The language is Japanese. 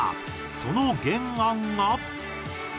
その原案が。